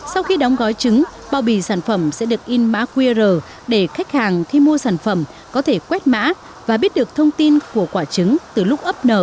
sau khi đóng gói trứng bao bì sản phẩm sẽ được in mã qr để khách hàng khi mua sản phẩm có thể quét mã và biết được thông tin của quả trứng từ lúc ấp nở đến khi sử dụng